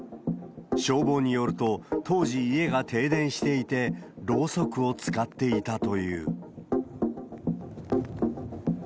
消防によると、当時、家が停電していて、ろうそくを使っていたという。